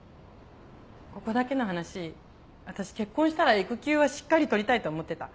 ここだけの話私結婚したら育休はしっかり取りたいと思ってた。